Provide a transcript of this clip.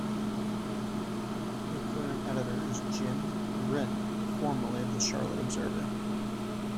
The current editor is Jim Wrinn, formerly of the Charlotte Observer.